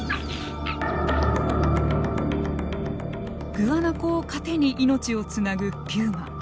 グアナコを糧に命をつなぐピューマ。